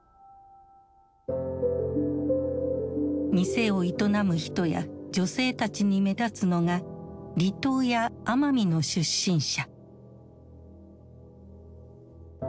店を営む人や女性たちに目立つのが離島や奄美の出身者。